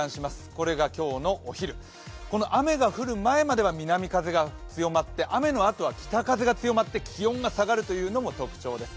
これが今日のお昼、この雨が降る前までは南風が強まって、雨のあとは北風が強まって気温が下がるというのも特徴です。